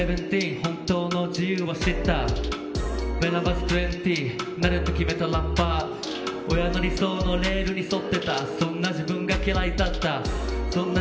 本当の自由を知ったＷｈｅｎｉｗａｓ２０なると決めたラッパー親の理想レールに沿ってたそんな自分が嫌いだった。